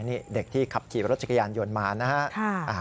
นี่เด็กที่ขับขี่รถจักรยานยนต์มานะครับ